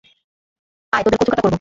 আয়, তোদের কচুকাটা করব!